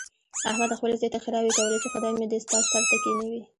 احمد خپل زوی ته ښېراوې کولې، چې خدای مې دې ستا سر ته کېنوي.